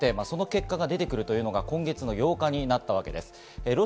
その結果が出てくるというのが今月の８日になったわけです。